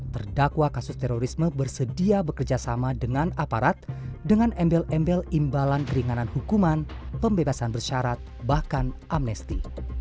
terdakwa kasus terorisme bersedia bekerjasama dengan aparat dengan embel embel imbalan keringanan hukuman pembebasan bersyarat bahkan amnesti